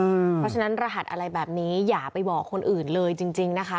เพราะฉะนั้นรหัสอะไรแบบนี้อย่าไปบอกคนอื่นเลยจริงนะคะ